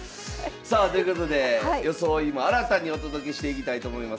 さあということで装いも新たにお届けしていきたいと思います。